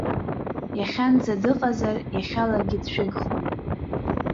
Иахьанӡа дыҟазар, иахьалагьы дшәыгхон.